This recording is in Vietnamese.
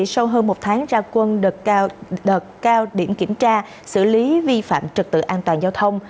sau hơn một tháng ra quân đợt cao điểm kiểm tra xử lý vi phạm trật tự an toàn giao thông